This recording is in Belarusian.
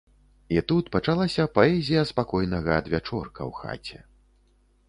І тут пачалася паэзія спакойнага адвячорка ў хаце.